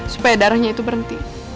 supaya darahnya itu berhenti